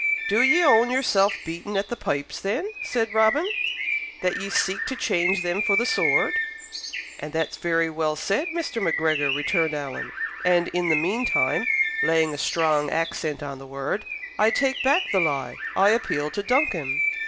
"Do ye own yourself beaten at the pipes, then," said Robin, "that ye seek to change them for the sword?" "And that's very well said, Mr. Macgregor," returned Alan; "and in the meantime" (laying a strong accent on the word) "I take back the lie. I appeal to Duncan."